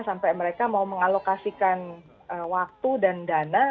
sampai mereka mau mengalokasikan waktu dan dana